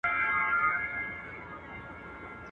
خر او خنکيانه.